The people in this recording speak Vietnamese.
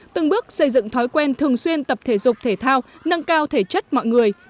từng bước xây dựng thói quen thường xuyên tập thể dục thể thao nâng cao thể chất mọi người